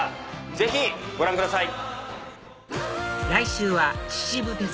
ぜひご覧ください。